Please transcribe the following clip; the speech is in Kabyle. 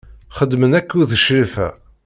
Xeddmen akked Crifa.